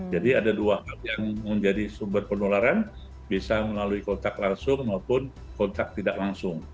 jadi ada dua hal yang menjadi sumber penularan bisa melalui kontak langsung maupun kontak tidak langsung